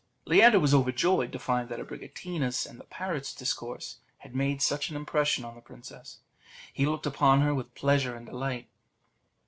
Leander was overjoyed to find that Abricotina's and the parrot's discourse had made such an impression on the princess. He looked upon her with pleasure and delight.